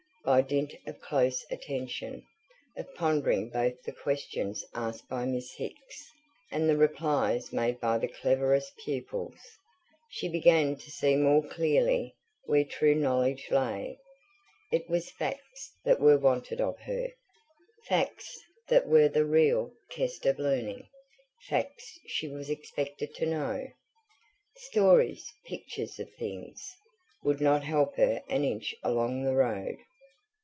By dint of close attention, of pondering both the questions asked by Miss Hicks, and the replies made by the cleverest pupils, she began to see more clearly where true knowledge lay. It was facts that were wanted of her; facts that were the real test of learning; facts she was expected to know. Stories, pictures of things, would not help her an inch along the road.